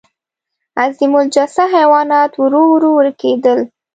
عظیم الجثه حیوانات ورو ورو ورکېدل.